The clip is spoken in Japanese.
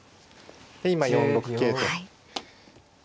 で今４六桂と。